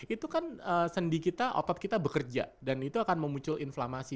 itu kan sendi kita otot kita bekerja dan itu akan memuncul inflamasi